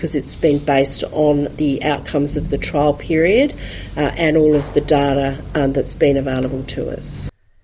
karena itu berdasarkan hasil perubahan dan semua data yang kita miliki